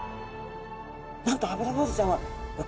なんとアブラボウズちゃんははい。